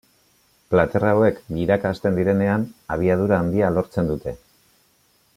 Plater hauek biraka hasten direnean, abiadura handia lortzen dute.